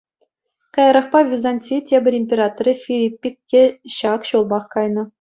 Каярахпа Византи тепӗр императорӗ Филиппик те ҫак ҫулпах кайнӑ.